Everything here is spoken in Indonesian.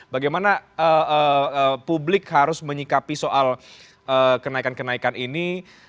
bagaimana publik harus menyikapi soal kenaikan kenaikan ini